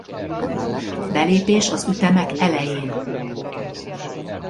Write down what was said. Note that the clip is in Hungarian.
Belépés az ütemek elején.